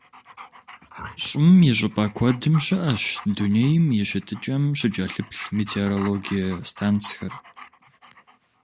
ЩӀым и щӀыпӀэ куэдым щыӀэщ дунейм и щытыкӀэм щыкӀэлъыплъ метеорологие станцхэр.